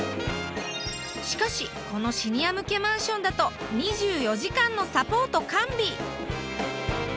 しかしこのシニア向けマンションだと２４時間のサポート完備！